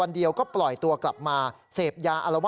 แอดคะตอนนี้หมดที่พึ่งแล้ว